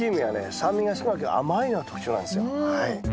酸味が少なくて甘いのが特徴なんですよ。